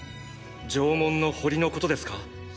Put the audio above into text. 城門の堀のことですか？